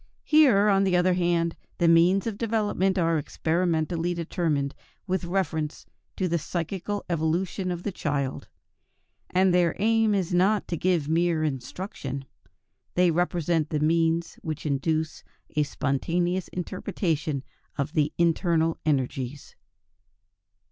Here, on the other hand, the means of development are experimentally determined with reference to the psychical evolution of the child; and their aim is not to give mere instruction; they represent the means which induce a spontaneous interpretation of the internal energies.